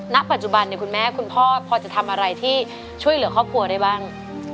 ณปัจจุบันเนี่ยคุณแม่คุณพ่อพอจะทำอะไรที่ช่วยเหลือครอบครัวได้บ้าง